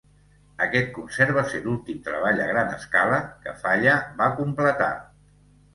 Aquest concert va ser l'últim treball a gran escala que Falla va completar.